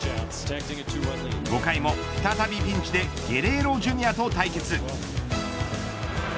５回も再びピンチでゲレーロＪｒ．と対決。